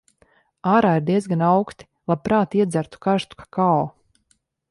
Ārā ir diezgan auksti. Labprāt iedzertu karstu kakao.